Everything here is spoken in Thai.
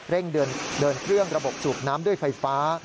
เดินเครื่องระบบสูบน้ำด้วยไฟฟ้า